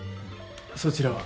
そちらは？